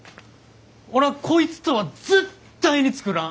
俺はこいつとは絶対に作らん！